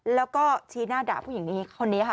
แล้วก็ชี้หน้าด่าผู้หญิงนี้คนนี้ค่ะ